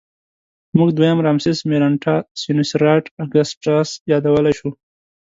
موږ دویم رامسس مېرنټاه سینوسېراټ اګسټاس یادولی شو.